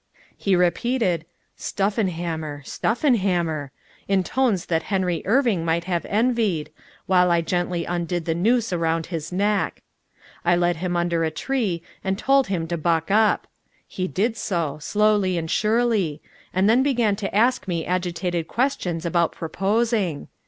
He repeated "Stuffenhammer, Stuffenhammer," in tones that Henry Irving might have envied, while I gently undid the noose around his neck. I led him under a tree and told him to buck up. He did so slowly and surely and then began to ask me agitated questions about proposing.